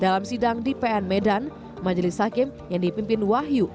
dalam sidang di pn medan majelis hakim yang dipimpin wahyu